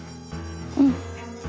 うん。